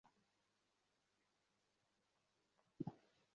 এত কাণ্ড করিয়া কুসুম বাড়ি গেল।